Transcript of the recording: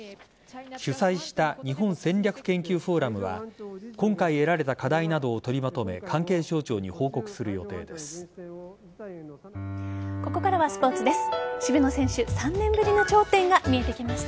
主催した日本戦略研究フォーラムは今回得られた課題などを取りまとめここからはスポーツです。